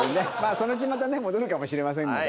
そのうちまたね戻るかもしれませんので。